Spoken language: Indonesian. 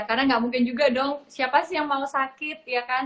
karena nggak mungkin juga dong siapa sih yang mau sakit ya kan